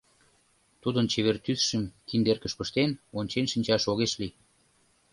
Тудын чевер тӱсшым, киндеркыш пыштен, ончен шинчаш огеш лий.